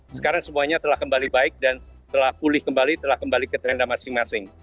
sekarang semuanya telah kembali baik dan telah pulih kembali telah kembali ke tenda masing masing